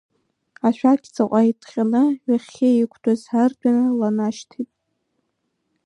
Ашәақь ҵаҟа иҭҟьаны ҩахьхьи иқәтәаз ардәына ланашьҭит.